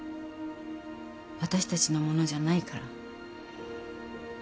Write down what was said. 私たちのものじゃないから。